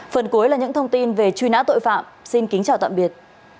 phần cuối là những thông tin về truy nã tội phạm xin kính chào tạm biệt